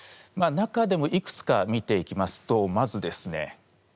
中でもいくつか見ていきますとまずですね